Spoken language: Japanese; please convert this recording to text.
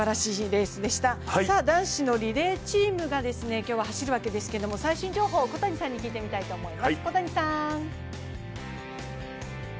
男子のリレーチームが今日は走るわけですけれども最新情報を小谷さんに聞いてみたいと思います。